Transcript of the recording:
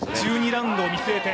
１２ラウンドを見据えて。